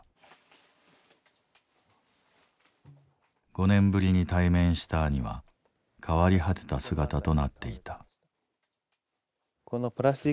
５年ぶりに対面した兄は変わり果てた姿となっていた。